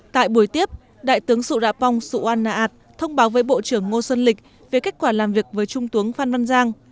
tại buổi tiếp đại tướng sụ rạpong sụ an nạ ảt thông báo với bộ trưởng ngô xuân lịch về kết quả làm việc với trung tướng phan văn giang